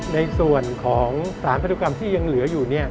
ในส่วนของสารพันธุกรรมที่ยังเหลืออยู่เนี่ย